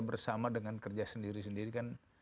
bersama dengan kerja sendiri sendiri kan